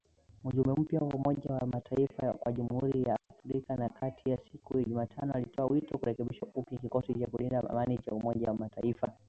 Mjumbe mpya wa Umoja wa mataifa kwa Jamhuri ya Afrika ya kati siku ya Jumatano alitoa wito kurekebishwa upya kwa kikosi cha kulinda amani cha Umoja wa Mataifa.